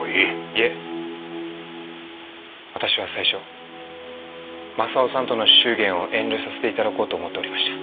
いえ私は最初まさをさんとの祝言を遠慮させて頂こうと思っておりました。